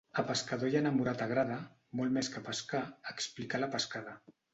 A pescador i a enamorat agrada, molt més que pescar, explicar la pescada.